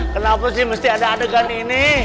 kenapa sih mesti ada adegan ini